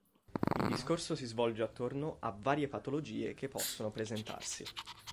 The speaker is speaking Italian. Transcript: Il discorso si svolge attorno a varie patologie che possono presentarsi.